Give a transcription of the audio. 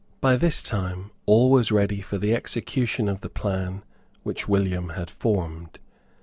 By this time all was ready for the execution of the plan which William had formed.